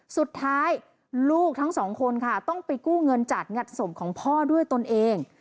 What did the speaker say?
สุดท้ายลูกทั้งสองคนค่ะต้องไปกู้เงินจัดงัดศพของพ่อด้วยตนเอง